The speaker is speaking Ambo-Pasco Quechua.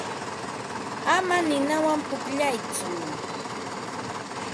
Ama ninawan pukllatsu.